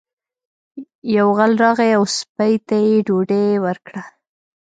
یو غل راغی او سپي ته یې ډوډۍ ورکړه.